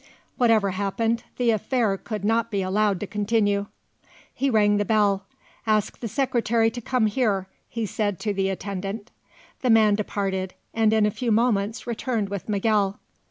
Whatever happened, the affair could not be allowed to continue. He rang the bell. "Ask the Secretary to come here," he said to the attendant. The man departed, and in a few moments returned with Miguel.